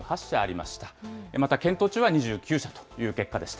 また検討中は２９社という結果でした。